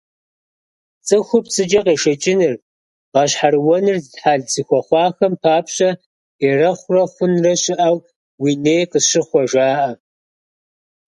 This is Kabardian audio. ЦӀыхур пцӀыкӀэ къешэкӀыныр, гъэщхьэрыуэныр хьэл зыхуэхъуахэм папщӏэ «Ерэхъурэ хъунрэ щыӀэу уи ней къысщыхуэ» жаӏэ.